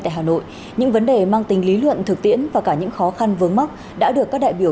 tại hà nội những vấn đề mang tính lý luận thực tiễn và cả những khó khăn vướng mắt đã được các đại biểu